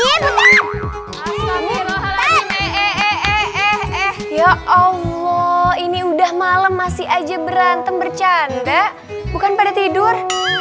hehehe ya allah ini udah malam masih aja berantem bercanda bukan pada tidur